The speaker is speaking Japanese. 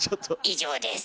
以上です。